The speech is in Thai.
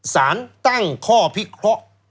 สารตั้งข้อพิเคราะห์